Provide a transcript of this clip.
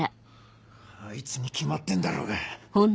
あいつに決まってんだろうが！